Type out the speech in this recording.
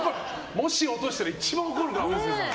もし落としたら一番怒るから、音声さん。